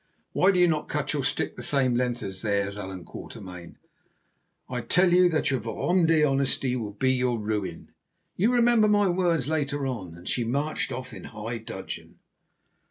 Why do you not cut your stick the same length as theirs, Allan Quatermain? I tell you that your verdomde honesty will be your ruin. You remember my words later on," and she marched off in high dudgeon.